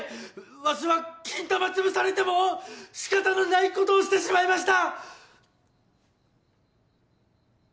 わしはキンタマ潰されても仕方のないことをしてしまいました！